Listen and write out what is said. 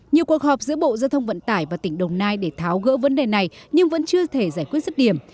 nhiều cuộc họp giữa bộ giao thông vận tải và tỉnh đồng nai để tháo gỡ vấn đề này nhưng vẫn chưa thể giải quyết sức điểm